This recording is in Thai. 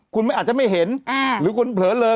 คุณอาจจะไม่เห็นหรือคุณเผลอเลย